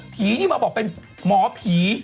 นี่มาบอกเป็นหมอผี